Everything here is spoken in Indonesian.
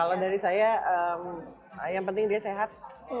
kalau dari saya yang penting dia sehat